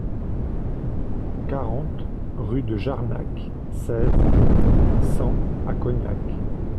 quarante rue de Jarnac, seize, cent à Cognac